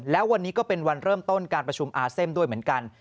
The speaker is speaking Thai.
แล้ววันนี้ก็เป็นวันเริ่มต้นการประชุมอาเซมด้วยเหมือนกัน